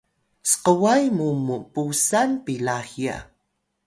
skway mu mpusal pila hiya